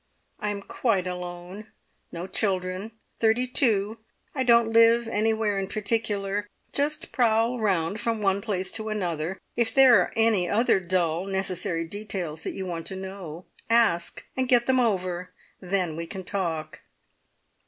I am quite alone. No children. Thirty two. I don't live anywhere in particular. Just prowl round from one place to another. If there are any other dull, necessary details that you want to know, ask! and get them over. Then we can talk!"